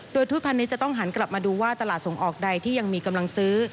โดยทูตพันนี้จะต้องหันกลับมาดูว่าตลาดส่งออกใดที่ยังมีกำลังซื้อ